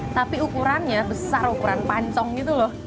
tapi ukurannya besar ukuran pancong gitu loh